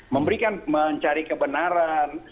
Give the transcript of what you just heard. memberikan mencari kebenaran